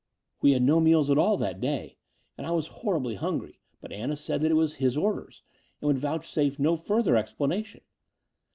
"We had no meals at all that day, and I w£is horribly hungry; but Anna said it was his orders, and would vouchsafe no further explanation.